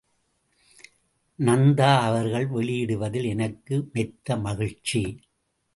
நந்தா அவர்கள் வெளியிடுவதில் எனக்கு மெத்த மகிழ்ச்சி.